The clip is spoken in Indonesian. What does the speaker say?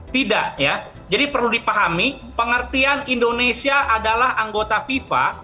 tidak ya jadi perlu dipahami pengertian indonesia adalah anggota fifa